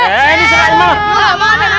hei ini serahin malah